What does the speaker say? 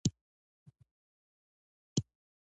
ته ده کوم ځای یې